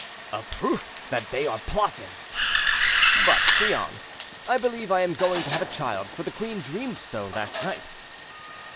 "A proof that they are plotting." "But, Crillon, I believe I am going to have a child, for the queen dreamed so last night."